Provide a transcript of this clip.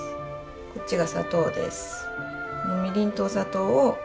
こっちが砂糖です。